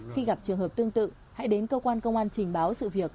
khi gặp trường hợp tương tự hãy đến cơ quan công an trình báo sự việc